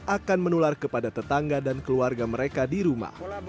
akan menular kepada tetangga dan keluarga mereka di rumah